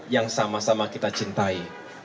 yang sama sama kita cintai